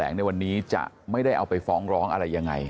ในวันนี้จะไม่ได้เอาไปฟ้องร้องอะไรยังไง